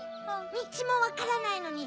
みちもわからないのに。